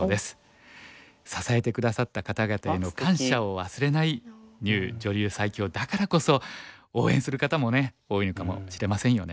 支えて下さった方々への感謝を忘れない牛女流最強だからこそ応援する方もね多いのかもしれませんよね。